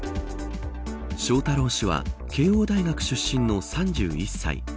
翔太郎氏は慶応大学出身の３１歳。